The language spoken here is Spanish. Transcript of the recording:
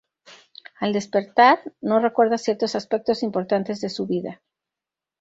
Al despertar, no recuerda ciertos aspectos importantes de su vida.